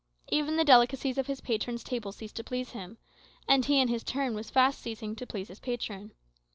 Even the delicacies of his patron's table ceased to please him; and he, in his turn, was fast ceasing to please his patron.